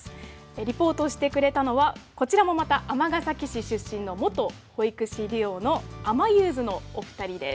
リポートしてくれたのはこちらもまた尼崎市出身の元保育士デュオのあまゆーずのお二人です。